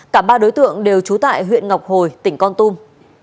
cả ba đối tượng đều trú tại huyện ngọc hồi tỉnh con tum